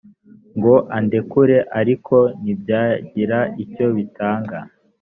ngo andekure ariko ntibyagira icyo bitanga